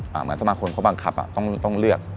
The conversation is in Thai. เหมือนสมาคมเขาบังคับต้องเลือก